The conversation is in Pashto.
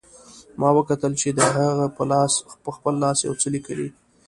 ما وکتل چې هغه په خپل لاس یو څه لیکي